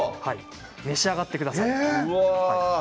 召し上がってください。